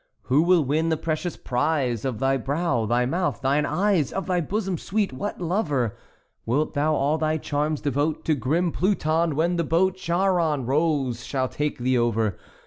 "Who will win the precious prize Of thy brow, thy mouth, thine eyes— Of thy bosom sweet—what lover? Wilt thou all thy charms devote To grim Pluton when the boat Charon rows shall take thee over?